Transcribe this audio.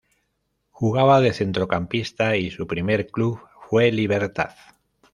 Jugaba de centrocampista y su primer club fue Libertad.